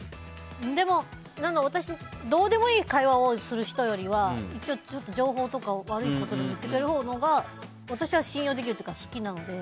でも、どうでもいい会話をする人よりは情報とかちょっと悪いことでも言ってくれる人のほうが私は信用できるというか好きなので。